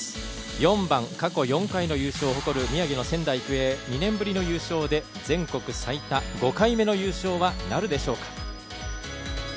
４番過去４回の優勝を誇る宮城の仙台育英２年ぶりの優勝で全国最多５回目の優勝はなるでしょうか。